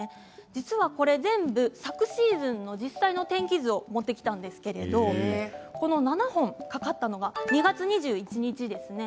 実はこれ全部昨シーズンの実際の天気図をもってきたんですけれどこの７本かかったのが２月２１日ですね。